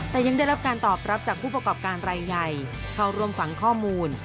แต่ยังได้รับการตอบรับจากผู้ประกอบการรายใหญ่เข้าร่วมฟังข้อมูล